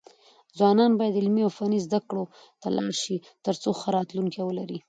ځوانان بايد علمي او فني زده کړو ته لاړ شي، ترڅو ښه راتلونکی ولري.